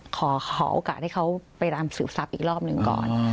ขอโอกาสให้เขาไปรำสืบทรัพย์อีกรอบหนึ่งก่อน